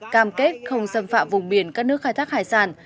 cam kết không xâm phạm vùng biển các nước khai thác hải sản